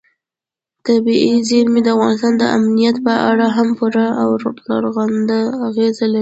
طبیعي زیرمې د افغانستان د امنیت په اړه هم پوره او رغنده اغېز لري.